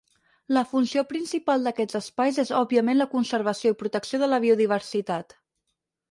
La funció principal d'aquests espais és òbviament la conservació i protecció de la biodiversitat.